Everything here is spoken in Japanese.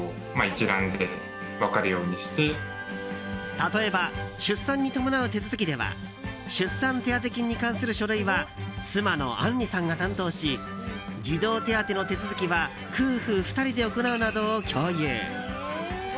例えば、出産に伴う手続きでは出産手当金に関する書類は妻のあんりさんが担当し児童手当の手続きは夫婦２人で行うなどを共有。